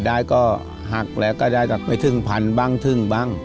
ได้ก็หักแล้วก็ได้ถึงพันบาทบางถึงบาง